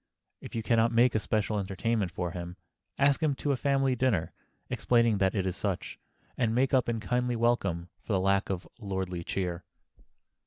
If you can not make a special entertainment for him, ask him to a family dinner, explaining that it is such, and make up in kindly welcome for the lack of lordly cheer.